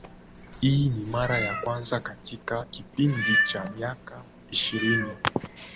hii ni mara ya kwanza katika kipindi cha miaka ishirini